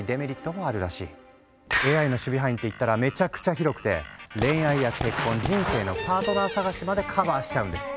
ＡＩの守備範囲っていったらめちゃくちゃ広くて恋愛や結婚人生のパートナー探しまでカバーしちゃうんです。